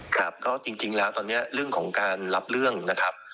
ครับก็จริงแล้วตอนนี้เรื่องของการรับเรื่องนะครับ